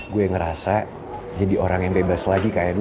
gue ngerasa jadi orang yang bebas lagi kayak dulu